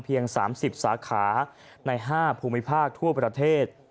๓๐สาขาใน๕ภูมิภาคทั่วประเทศ